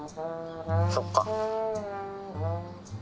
そっか。